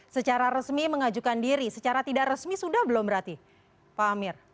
secara resmi mengajukan diri secara tidak resmi sudah belum berarti pak amir